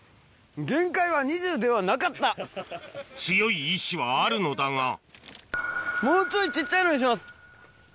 強い意志はあるのだがもうちょい小っちゃいのにします。